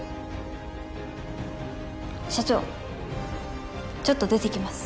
社長ちょっと出てきます。